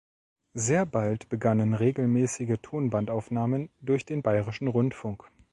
Sehr bald begannen regelmäßige Tonband-Aufnahmen durch den Bayerischen Rundfunk.